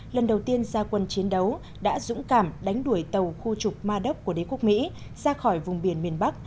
lần đầu tiên ra quân chiến đấu đã dũng cảm đánh đuổi tàu khu trục ma đốc của đế quốc mỹ ra khỏi vùng biển miền bắc